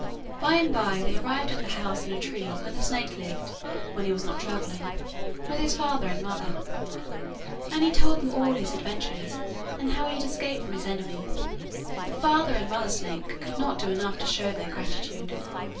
By and bye they arrived at the house in a tree where the snake lived, when he was not travelling with his father and mother. And he told them all his adventures, and how he had escaped from his enemy. The father and mother snake could not do enough to show their gratitude.